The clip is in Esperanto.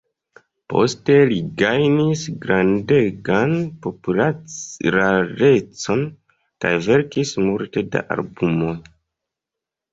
Poste li gajnis grandegan popularecon kaj verkis multe da albumoj.